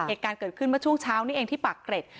เหตุการณ์เกิดขึ้นเมื่อช่วงเช้านี้เองที่ปากเกร็ด